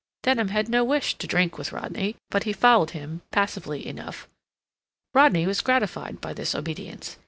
Denham had no wish to drink with Rodney, but he followed him passively enough. Rodney was gratified by this obedience.